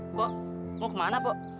mbak mau kemana mbak